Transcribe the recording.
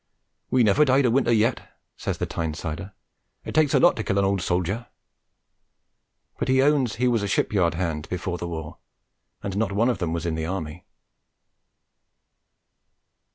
'We nevaw died o' wintaw yet,' says the Tynesider. 'It takes a lot to kill an old soljaw.' But he owns he was a shipyard hand before the war; and not one of them was in the Army.